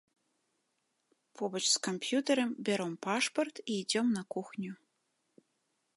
Побач з камп'ютарам бяром пашпарт і ідзём на кухню.